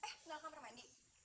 eh tinggal kamar mandi